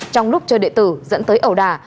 trong lúc chơi đệ tử dẫn tới ẩu đà